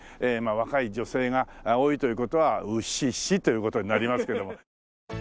若い女性が多いという事はウッシッシという事になりますけども。